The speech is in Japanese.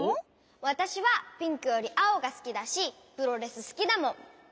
わたしはピンクよりあおがすきだしプロレスすきだもん！